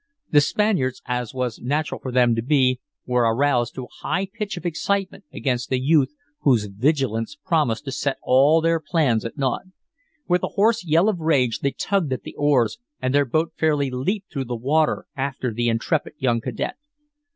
The Spaniards, as was natural for them to be, were aroused to a high pitch of excitement against the youth whose vigilance promised to set all their plans at naught. With a hoarse yell of rage they tugged at the oars and their boat fairly leaped through the water after the intrepid young cadet.